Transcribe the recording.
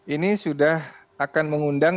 ini sudah akan mengundang